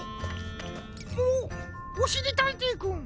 おっおしりたんていくん。